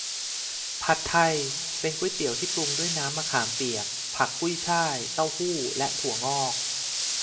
ผัดไทย เป็นก๋วยเตี๋ยวที่ปรุงด้วยน้ำมะขามเปียก ผักกุ้ยฉ่าย เต้าหู้ และถั่วงอก